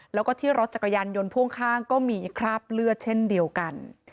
แล้วก็ที่รถจักรยานยนต์พ่วงข้างก็มีคราบเลือดเช่นเดียวกัน